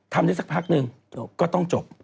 ทำนี่สักพักนึงก็ต้องจบ